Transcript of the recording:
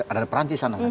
ada perancis di sana